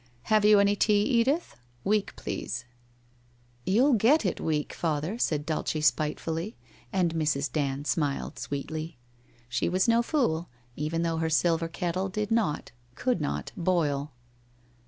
' Have you any tea, Edith? Weak, please.' WHITE ROSE OF WEARY LEAF 71 ' You'll get it weak, father,' said Dulce spitefully, and Mrs. Dand smiled sweetly. She was no fool, even though her silver kettle did not, could not boil.